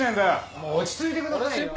落ち着いてくださいよ。